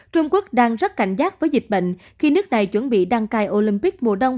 trung quốc đang rất cảnh giác với dịch bệnh khi nước này chuẩn bị đăng cai olympic mùa đông